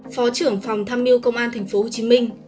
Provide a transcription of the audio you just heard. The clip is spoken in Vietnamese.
phó trưởng phòng thăm mưu công an tp hcm